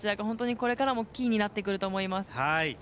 これからもキーになってくると思います。